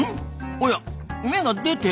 おや芽が出てる。